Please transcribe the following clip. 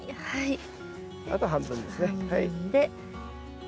はい！